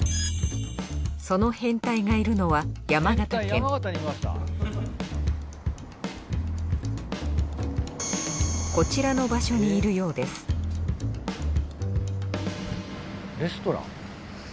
その変態がいるのはこちらの場所にいるようですレストラン？